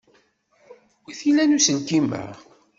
Wi t-ilan uselkim-a?